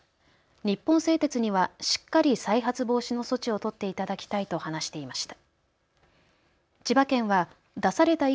日本製鉄にはしっかり再発防止の措置を取っていただきたいと話していました。